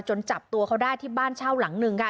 จับตัวเขาได้ที่บ้านเช่าหลังหนึ่งค่ะ